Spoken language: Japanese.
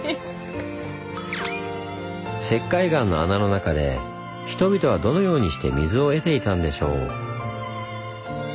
石灰岩の穴の中で人々はどのようにして水を得ていたんでしょう？